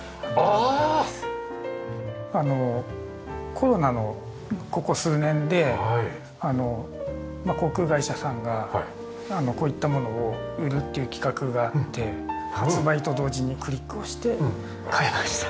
コロナのここ数年で航空会社さんがこういったものを売るっていう企画があって発売と同時にクリックをして買いました。